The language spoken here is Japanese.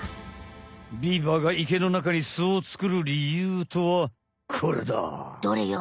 ビーバーが池の中に巣をつくるりゆうとはこれだ。どれよ？